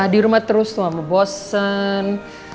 di rumah terus tuh mama bosen